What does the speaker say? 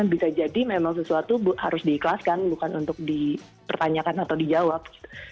bisa jadi memang sesuatu harus diikhlaskan bukan untuk dipertanyakan atau dijawab